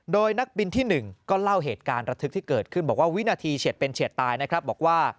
โดยนักบินที่๑ก็เล่าเหตุการณ์ระทึกที่เกิดขึ้นบอกว่าวินาทีเฉียดเป็นเฉียดตายนะครับบอกว่า